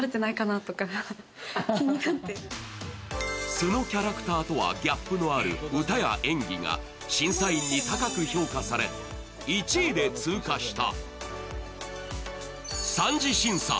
そのキャラクターとはギャップのある歌や演技が審査員に高く評価され１位で通過した。